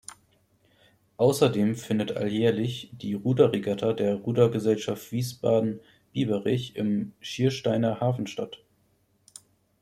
Außerdem findet alljährlich die Ruderregatta der Rudergesellschaft Wiesbaden-Biebrich im Schiersteiner Hafen statt.